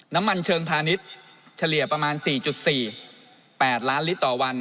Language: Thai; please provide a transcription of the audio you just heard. น้ำมันเชิงพาณิชย์เฉลี่ยประมาณ๔๔๘ล้านลิตรต่อวัน